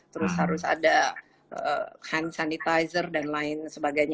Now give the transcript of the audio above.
terus harus ada hand sanitizer dan lain sebagainya